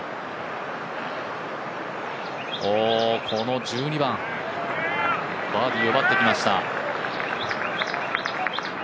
この１２番、バーディーを奪ってきました。